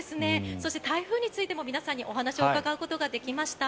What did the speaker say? そして台風についてもお話を伺うことができました。